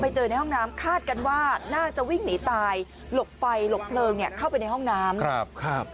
เจอในห้องน้ำคาดกันว่าน่าจะวิ่งหนีตายหลบไฟหลบเพลิงเนี่ยเข้าไปในห้องน้ำครับ